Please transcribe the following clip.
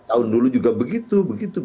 tahun dulu juga begitu